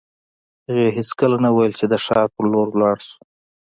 هغې هېڅکله نه ویل چې د ښار په لور ولاړ شو